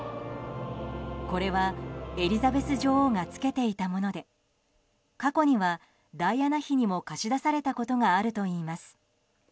これはエリザベス女王が着けていたもので過去にはダイアナ妃にも貸し出されたことがあるといいます。